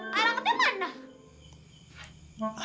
dingin tau memau air hangatnya mana